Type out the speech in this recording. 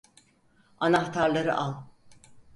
Anahtarları al!